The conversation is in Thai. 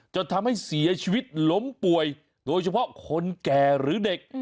จนทำให้เสียชีวิตล้มป่วยโดยเฉพาะคนแก่หรือเด็ก